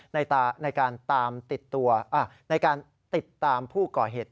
ในการติดตามผู้ก่อเหตุ